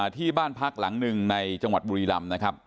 ที่บ้านพักหลังหนึ่งในจังหวัดบุรีรำนะครับ